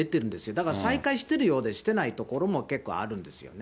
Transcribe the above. だから再開してるようでしてない所も結構あるんですよね。